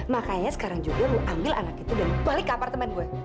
makanya sekarang juga lo ambil anak itu dan balik ke apartemen gue